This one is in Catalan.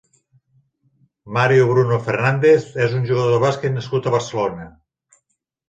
Mario Bruno Fernández és un jugador de bàsquet nascut a Barcelona.